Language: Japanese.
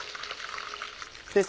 先生